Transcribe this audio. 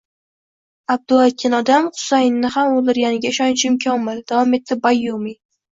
Abdu aytgan odam Husaynni ham o`ldirganiga ishonchim komil, davom etdi Bayyumi